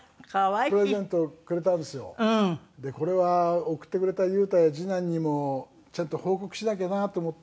「これは贈ってくれた裕太や次男にもちゃんと報告しなきゃなと思って」